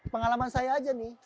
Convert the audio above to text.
pengalaman saya aja nih